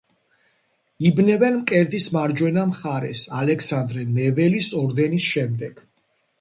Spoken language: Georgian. იბნევენ მკერდის მარჯვენა მხარეს ალექსანდრე ნეველის ორდენის შემდეგ.